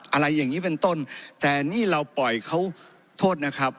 อะไรอย่างนี้เป็นต้นแต่นี่เราปล่อยเขาโทษนะครับ